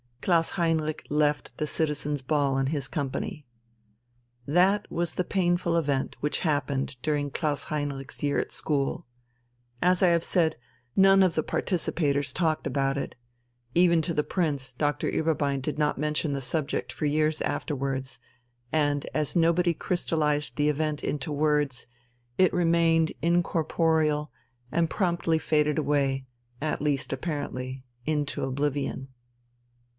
Klaus Heinrich left the Citizens' Ball in his company. That was the painful event which happened during Klaus Heinrich's year at school. As I have said, none of the participators talked about it; even to the Prince, Doctor Ueberbein did not mention the subject for years afterwards, and, as nobody crystallized the event in words, it remained incorporeal and promptly faded away, at least apparently, into oblivion.